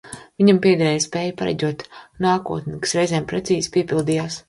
Viņam piedēvēja spēju pareģot nākotni, kas reizēm precīzi piepildījās.